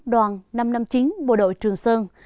đoàn năm trăm năm mươi chín bộ đội trường sơn